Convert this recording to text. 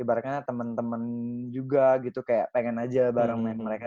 ibaratnya temen temen juga gitu kayak pengen aja bareng main mereka